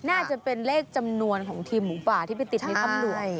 น่าจะเป็นเลขจำนวนของทีมหมูป่าที่ไปติดในตำรวจ